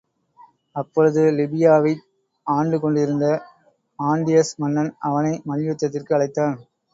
அப்பொழுது லிபியாவை ஆண்டுகொண்டிருந்த ஆன்டியஸ் மன்னன் அவனை மல்யுத்தத்திற்கு அழைத்தான்.